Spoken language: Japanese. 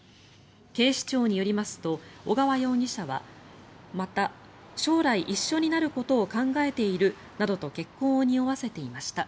警視庁によりますと小川容疑者は将来一緒になることを考えているなどと結婚をにおわせていました。